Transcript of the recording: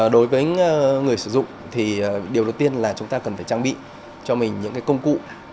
đối với người sử dụng thì điều đầu tiên là chúng ta cần phải trang bị cho mình những công cụ